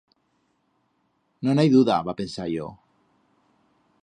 No n'hai duda, va pensar yo.